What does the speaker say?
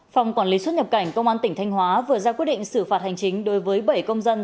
phòng quản lý xuất nhập cảnh công an tỉnh thanh hóa vừa ra quyết định xử phạt hành chính đối với bảy công dân